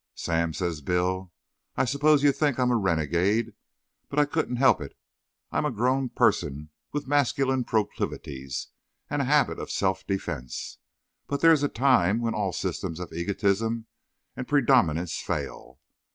"Sam," says Bill, "I suppose you'll think I'm a renegade, but I couldn't help it. I'm a grown person with masculine proclivities and habits of self defense, but there is a time when all systems of egotism and predominance fail.